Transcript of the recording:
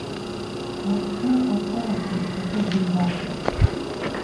Аҳы, аҳыы мшаԥы зымбаша!